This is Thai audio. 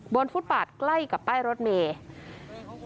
ฟุตบาทใกล้กับป้ายรถเมย์